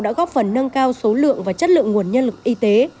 đã góp phần nâng cao số lượng và chất lượng nguồn nhân lực y tế